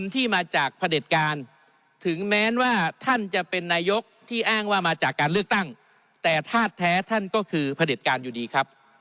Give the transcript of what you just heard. ถึงแม้ว่าท่านจะเป็นนายกที่อ้างว่ามาจากการเลือกตั้งแต่ธาตุแท้ท่านก็คือผลิตการอยู่ดีครับ